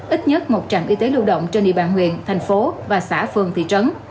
ít nhất một trạm y tế lưu động trên địa bàn huyện thành phố và xã phường thị trấn